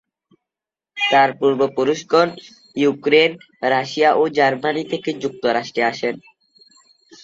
তার পূর্বপুরুষগণ Ukraine, Russia ও জার্মানি থেকে যুক্তরাষ্ট্রে আসেন।